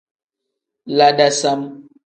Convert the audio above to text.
La dasam.